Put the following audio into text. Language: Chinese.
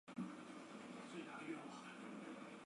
他们的殖民地甚至远至今天西班牙加的斯。